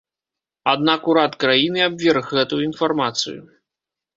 Аднак урад краіны абверг гэтую інфармацыю.